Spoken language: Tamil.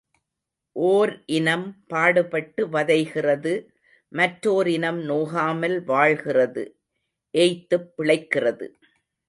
ஓர் இனம் பாடுபட்டு வதைகிறது மற்றோர் இனம் நோகாமல் வாழ்கிறது ஏய்த்துப் பிழைக்கிறது.